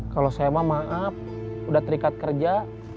kalau saya mah maaf udah terikat kerja